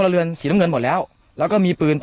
เราก็